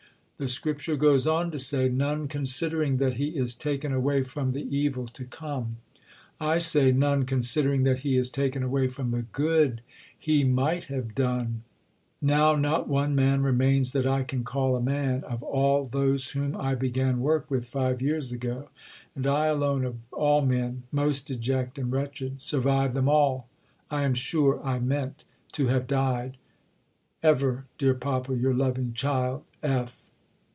The Scripture goes on to say "none considering that he is taken away from the evil to come." I say "none considering that he is taken away from the good he might have done." Now not one man remains (that I can call a man) of all those whom I began work with, five years ago. And I alone, of all men "most deject and wretched," survive them all. I am sure I meant to have died.... Ever, dear Papa, your loving child, F.